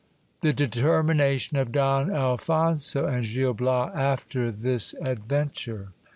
— The determination of Don Alphonso and Gil Bias after this adventure.